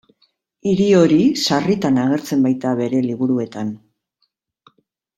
Hiri hori sarritan agertzen baita bere liburuetan.